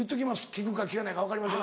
聞くか聞かないか分かりませんけど。